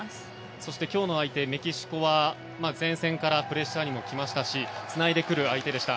そして、今日の相手のメキシコは前線からプレッシャーにも来ましたしつないでくる相手でした。